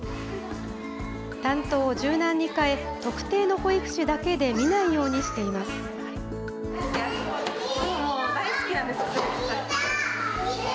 担当を柔軟にかえ、特定の保育士だけで見ないようにしています。